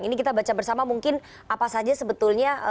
ini kita baca bersama mungkin apa saja sebetulnya